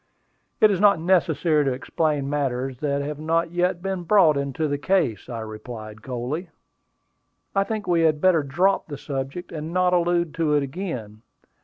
"It is not necessary to explain matters that have not yet been brought into the case," I replied coldly. "I think we had better drop the subject, and not allude to it again.